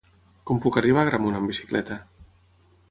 Com puc arribar a Agramunt amb bicicleta?